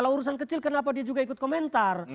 kalau urusan kecil kenapa dia juga ikut komentar